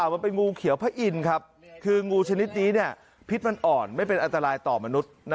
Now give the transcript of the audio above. ของพระอินครับคืองูชนิดนี้พิษมันอ่อนไม่เป็นอัตรายต่อมนุษย์